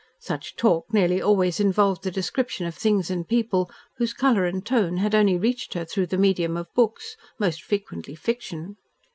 Such talk nearly always involved the description of things and people, whose colour and tone had only reached her through the medium of books, most frequently fiction.